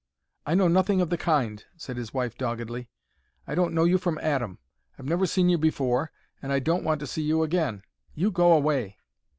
"I know nothing of the kind," said his wife, doggedly. "I don't know you from Adam. I've never seen you before, and I don't want to see you again. You go away."